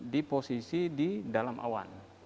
di posisi di dalam awan